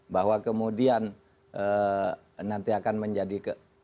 bahwa kemudian nanti akan menjadi